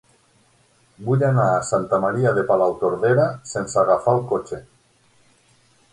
Vull anar a Santa Maria de Palautordera sense agafar el cotxe.